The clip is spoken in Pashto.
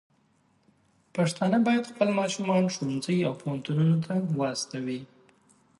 پښتانه بايد خپل ماشومان ښوونځي او پوهنتونونو ته واستوي.